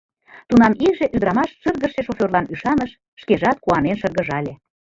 Тунам иже ӱдрамаш шыргыжше шофёрлан ӱшаныш, шкежат куанен шыргыжале.